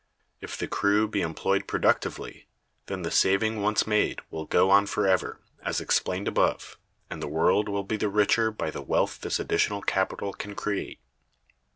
If the crew be employed productively, then the saving once made will go on forever, as explained above, and the world will be the richer by the wealth this additional capital can create.